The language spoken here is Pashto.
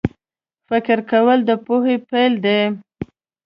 فکر کول د پوهې پیل دی